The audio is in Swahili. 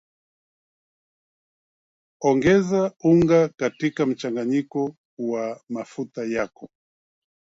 Ongeza unga katika mchanganyiko wa mafuta yako